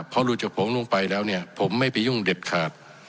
พอดูจากผมลงไปแล้วเนี่ยผมไม่ไปยุ่งเด็ดขาด